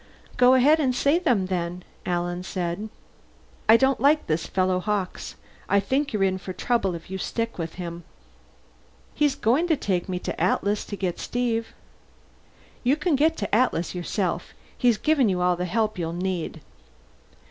"Go ahead and say them, then," Alan told him. "I don't like this fellow Hawkes. I think you're in for trouble if you stick with him." "He's going to take me to the Atlas to get Steve." "You can get to the Atlas yourself. He's given you all the help you'll need."